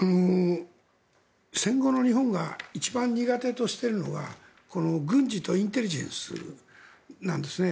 戦後の日本が一番苦手としているのはこの軍事とインテリジェンスなんですね。